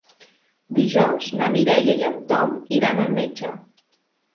Dijous na Mireia i en Tom iran al metge.